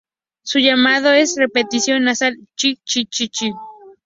Su llamado es una repetición nasal "ch... ch... ch-ch-ch-ch-ch-ch-ch".